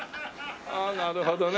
ああなるほどね。